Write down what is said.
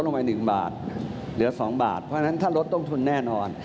ลงไป๑บาทเหลือ๒บาทเพราะฉะนั้นถ้าลดต้นทุนแน่นอน